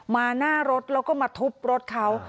หน้ารถแล้วก็มาทุบรถเขา